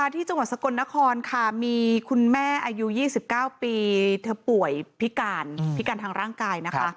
ที่จังหวัดสกลนครมีคุณแม่อายุ๒๙ปีเขาป่วยพิการทางร่างกาย